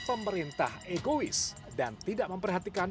egois dan tidak memperhatikan